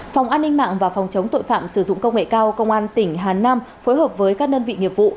phòng an ninh mạng và phòng chống tội phạm sử dụng công nghệ cao công an tỉnh hà nam phối hợp với các đơn vị nghiệp vụ